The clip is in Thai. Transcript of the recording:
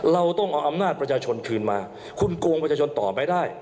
เราต้องเอาอำนาจประชาชนคืนมาคุณโกงประชาชนต่อไปได้